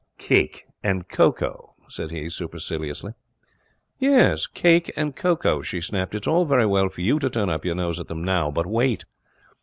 'Cake and cocoa!' said he, superciliously. 'Yes, cake and cocoa,' she snapped. 'It's all very well for you to turn up your nose at them now, but wait.